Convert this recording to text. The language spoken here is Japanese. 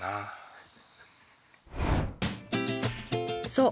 そう！